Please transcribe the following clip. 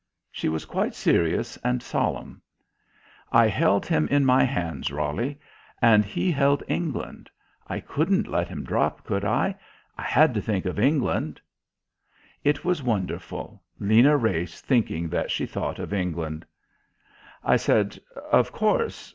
She was quite serious and solemn. "I held him in my hands, Roly. And he held England. I couldn't let him drop, could I? I had to think of England." It was wonderful Lena Wrace thinking that she thought of England. I said "Of course.